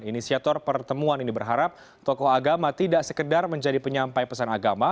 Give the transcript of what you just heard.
inisiator pertemuan ini berharap tokoh agama tidak sekedar menjadi penyampai pesan agama